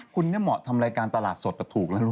คุณเนี่ยเหมาะทำรายกาลตลาดสดกลับถูกแล้วรู้มั้ย